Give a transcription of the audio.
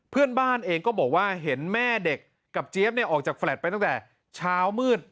เพื่อนบ้านเองก็บอกว่าเห็นแม่เด็กกับเจี๊ยบออกจากแฟลตไปตั้งแต่เช้ามืด